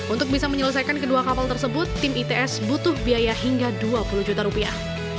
untuk bisa menyelesaikan kedua kapal tersebut tim its butuh biaya hingga dua puluh juta rupiah